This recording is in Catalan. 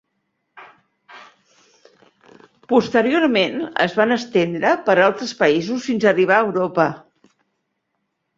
Posteriorment es van estendre per altres països fins a arribar a Europa.